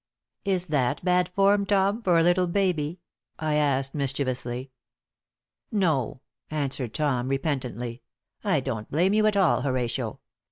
"Is that bad form, Tom, for a little baby?" I asked, mischievously. "No," answered Tom, repentantly. "I don't blame you at all, Horatio.